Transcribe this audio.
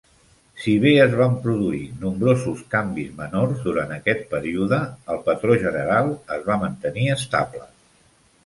Si bé es van produir nombrosos canvis menors durant aquest període, el patró general es va mantenir estable.